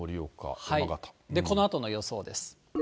このあとの予想です。